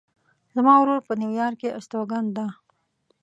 زما ورور په نیویارک کې استوګن ده